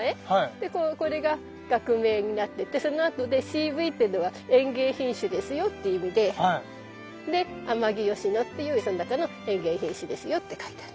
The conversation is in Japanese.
でこれが学名になっててそのあとで「ｃｖ」っていうのは園芸品種ですよっていう意味でで「Ａｍａｇｉｙｏｓｈｉｎｏ」っていうその中の園芸品種ですよって書いてある。